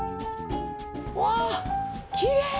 うわっきれい！